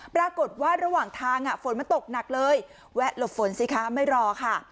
ปรากฏว่าระหว่างทางฝนมันตกหนักเลยแวะหลบฝนสิคะไม่รอค่ะ